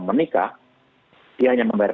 menikah dia hanya membayar